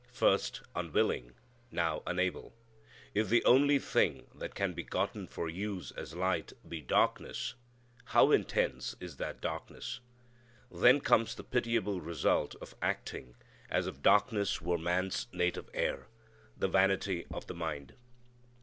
First unwilling, now unable. If the only thing that can be gotten for use as light be darkness, how intense is that darkness! Then comes the pitiable result of acting as if darkness were man's native air "the vanity of the mind."